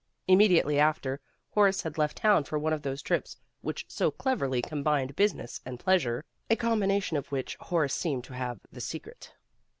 Immediately after, Horace had left town for one of those trips which so cleverly combined business and pleasure, a combination of which Horace seemed to have the secret.